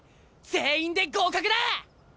全員で合格だ！